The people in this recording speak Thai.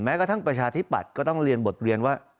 กระทั่งประชาธิปัตย์ก็ต้องเรียนบทเรียนว่า